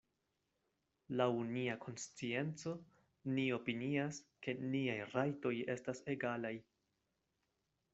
Laŭ nia konscienco, ni opinias, ke niaj rajtoj estas egalaj.